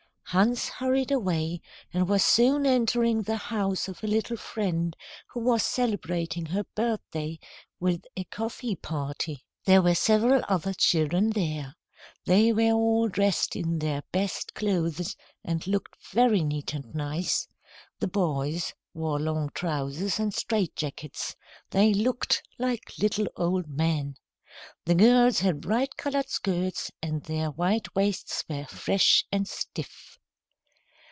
Hans hurried away, and was soon entering the house of a little friend who was celebrating her birthday with a coffee party. There were several other children there. They were all dressed in their best clothes and looked very neat and nice. The boys wore long trousers and straight jackets. They looked like little old men. The girls had bright coloured skirts and their white waists were fresh and stiff.